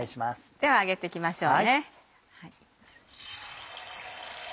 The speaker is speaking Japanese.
では揚げて行きましょう。